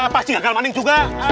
pasti gagal manding juga